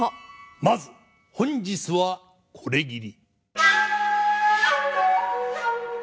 まず本日はこれぎり。